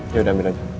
ya udah ambil aja